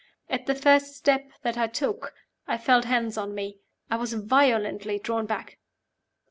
At the first step that I took, I felt hands on me I was violently drawn back.